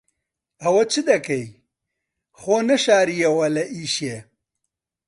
ئەوە چ دەکەی؟ خۆ نەشارییەوە لە ئیشێ.